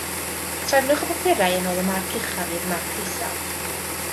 Trefnwch y papurau yn ôl y marc uchaf i'r marc isaf